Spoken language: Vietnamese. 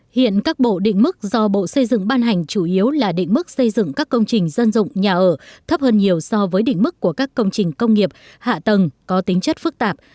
hiện các bộ định mức do bộ xây dựng ban hành chủ yếu là định mức xây dựng các công trình dân dụng nhà ở thấp hơn nhiều so với đỉnh mức của các công trình công nghiệp hạ tầng có tính chất phức tạp